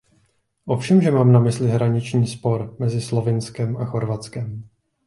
Ovšemže mám na mysli hraniční spor mezi Slovinskem a Chorvatskem.